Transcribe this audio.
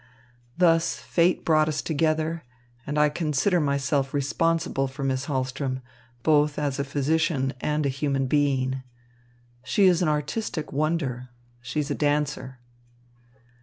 Thus, fate brought us together, and I consider myself responsible for Miss Hahlström, both as a physician and a human being. She is an artistic wonder. She is a dancer."